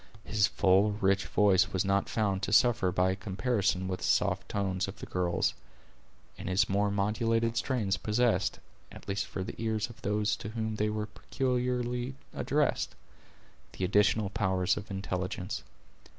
His full rich voice was not found to suffer by a comparison with the soft tones of the girls; and his more modulated strains possessed, at least for the ears of those to whom they were peculiarly addressed, the additional power of intelligence.